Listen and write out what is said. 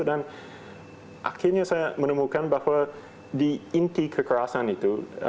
dan akhirnya saya menemukan bahwa di inti kekerasan itu saya melihat menurut saya